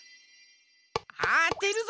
あてるぞ！